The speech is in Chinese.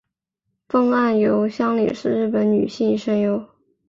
峰岸由香里是日本女性声优。